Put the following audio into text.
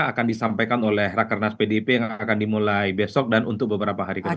akan disampaikan oleh rakernas pdip yang akan dimulai besok dan untuk beberapa hari ke depan